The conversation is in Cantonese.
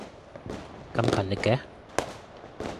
咁勤力嘅